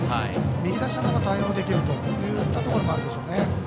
右打者のほうが対応できるというところもあるでしょうね。